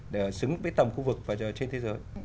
để xứng với tầm khu vực và trên thế giới